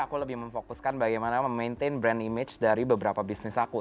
aku lebih memfokuskan bagaimana memaintain brand image dari beberapa bisnis aku